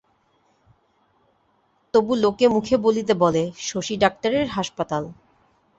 তবু লোকে মুখে বলিতে বলে, শশী ডাক্তারের হাসপাতাল।